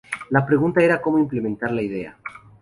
La pregunta era cómo implementar la idea.